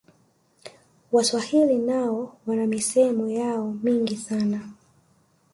waswahili nao wana misemo yao mingi sana